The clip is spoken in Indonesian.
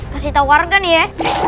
kasih tau wargan ya